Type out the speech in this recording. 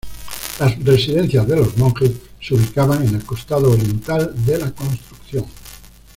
Las residencias de los monjes se ubicaban en el costado oriental de la construcción.